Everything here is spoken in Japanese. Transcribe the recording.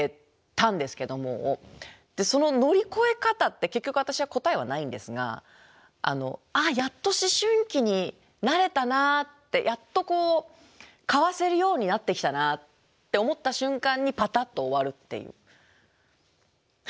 その乗り越え方って結局私は答えはないんですが「あやっと思春期に慣れたな」って「やっとかわせるようになってきたな」って思った瞬間にパタッと終わるっていう。